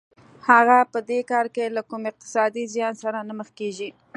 هغه په دې کار کې له کوم اقتصادي زیان سره نه مخ کېږي